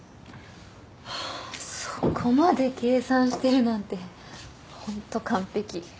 そこまで計算してるなんてホント完璧。